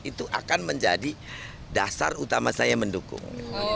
itu akan menjadi dasar utama saya mendukung